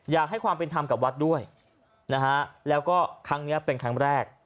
อยากให้ความเป็นธรรมกับวัดด้วยนะฮะแล้วก็ครั้งนี้เป็นครั้งแรก